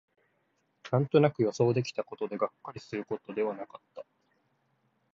なんとなく予想できたことで、がっかりすることではなかった